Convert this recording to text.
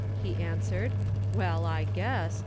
he answered. "Well, I guess!